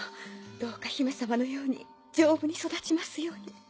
どうか姫様のように丈夫に育ちますように。